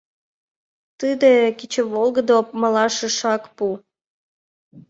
Тиде кечыволгыдо малаш ышак пу.